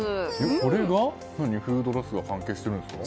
これがフードロスと関係しているんですか？